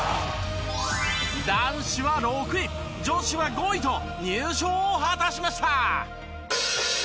男子は６位女子は５位と入賞を果たしました。